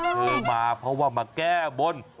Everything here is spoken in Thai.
เธอมาเพราะว่ามาแก้บน